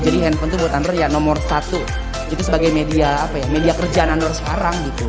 jadi handphone tuh buat anwar ya nomor satu itu sebagai media apa ya media kerjaan anwar sekarang gitu